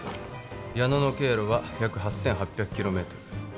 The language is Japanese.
矢野の経路は約８，８００キロメートル。